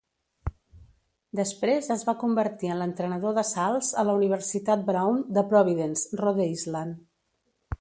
Després es va convertir en l'entrenador de salts a la Universitat Brown de Providence, Rhode Island.